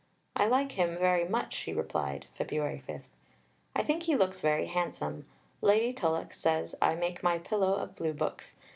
"I like him very much," she replied (Feb. 5); "I think he looks very handsome. Lady Tulloch says I make my pillow of Blue books.